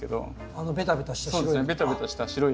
あのベタベタした白い。